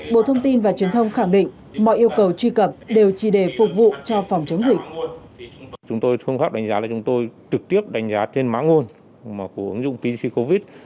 bộ thông tin và truyền thông khẳng định mọi yêu cầu truy cập đều chỉ để phục vụ cho phòng chống dịch